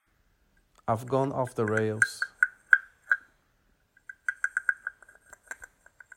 I've gone off the rails.